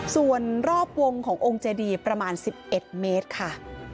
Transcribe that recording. ส่วนรอบวงขององค์เจดีประมาณ๑๑เมตรค่ะ